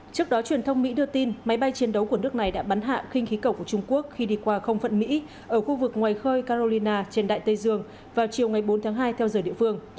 trước đó truyền thông mỹ đưa tin máy bay chiến đấu của nước này đã bắn hạ khinh khí cầu của trung quốc khi đi qua không phận mỹ ở khu vực ngoài khơi carolina trên đại tây dương vào chiều ngày bốn tháng hai theo giờ địa phương